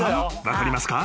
分かりますか？